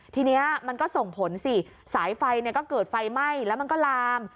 ทีนี้มันก็ส่งผลสิสายไฟก็เกิดไฟไหม้แล้วมันก็ลาม